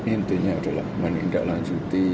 intinya adalah menindaklanjuti